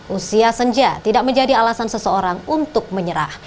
usia senja tidak menjadi alasan seseorang untuk menyerah